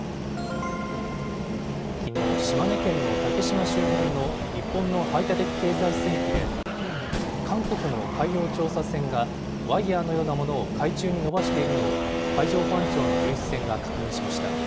きのう、島根県の竹島周辺の日本の排他的経済水域で、韓国の海洋調査船がワイヤーのようなものを海中にのばしているのを、海上保安庁の巡視船が確認しました。